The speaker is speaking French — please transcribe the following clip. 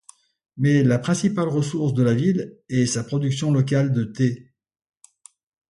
Mais la principale ressource de la ville est sa production locale de thé.